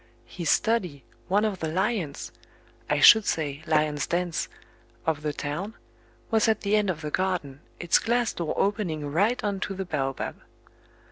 His study, one of the lions I should say, lions' dens of the town, was at the end of the garden, its glass door opening right on to the baobab.